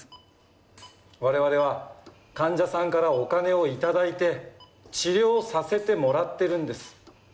我々は患者さんからお金を頂いて治療させてもらってるんです。